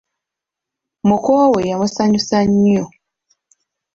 Muko we yamusanyusa nnyo.